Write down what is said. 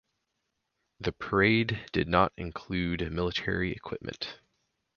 The parade did not include military equipment.